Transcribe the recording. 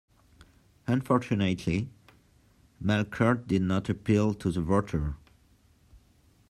Unfortunately, Melkert did not appeal to the voter.